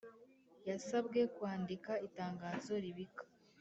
Yasabwe Kwandika itangazo ribika